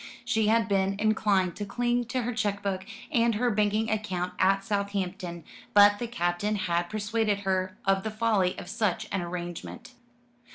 She had been inclined to cling to her cheque book and her banking account at Southampton; but the Captain had persuaded her of the folly of such an arrangement.